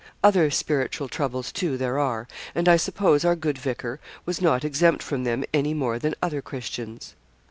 Other spiritual troubles, too, there are; and I suppose our good vicar was not exempt from them any more than other Christians.